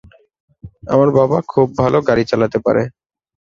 আমার বাবা খুব ভাল গাড়ি চালাতে পারে।